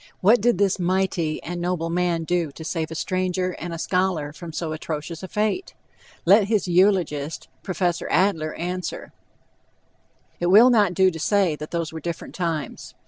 What did this mighty and noble man do to save a stranger and a scholar from so atrocious a fate? Let his eulogist, Prof. Adler, answer. It will not do to say that those were different times.